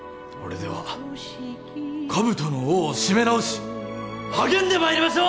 では兜の緒を締め直し励んでまいりましょう！